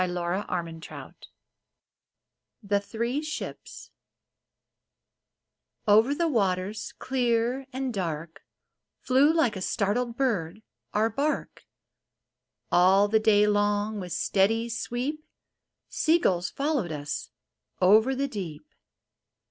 470 r EARLIER POEMS THE THREE SHIPS Over the waters clear and dark Flew, like a startled bird, our bark. All the day long with steady sweep Seagulls followed us over the deep.